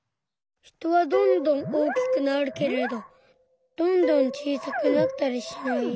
人はどんどん大きくなるけれどどんどん小さくなったりしない。